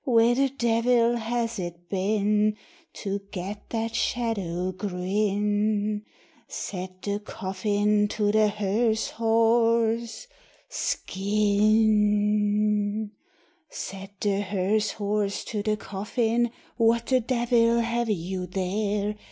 Where the devil has it been To get that shadow grin?" Said the coffin to the hearse horse, "Skin!" Said the hearse horse to the coffin, "What the devil have you there?